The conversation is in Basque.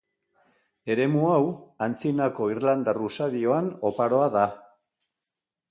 Eremu hau antzinako irlandar usadioan oparoa da.